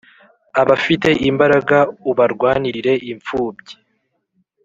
Abafite imbaraga ubarwanirire inpfubyi